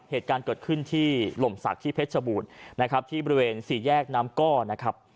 เหตุการณ์เกิดขึ้นที่หล่มศักดิ์ที่เพชรชบูรณ์นะครับที่บริเวณสี่แยกน้ำก้อนะครับ